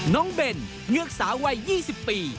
เบนเงือกสาววัย๒๐ปี